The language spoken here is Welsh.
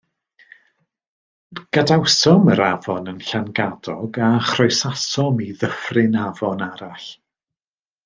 Gadawsom yr afon yn Llangadog, a chroesasom i ddyffryn afon arall.